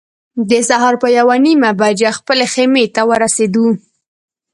د سهار په یوه نیمه بجه خپلې خیمې ته ورسېدو.